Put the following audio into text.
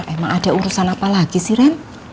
emang ada urusan apa lagi sih ren